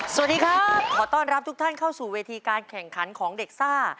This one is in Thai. สวัสดีครับขอต้อนรับทุกท่านเข้าสู่เวทีการแข่งขันของเด็กซ่า